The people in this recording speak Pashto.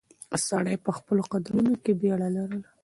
سړی په خپلو قدمونو کې بیړه لرله.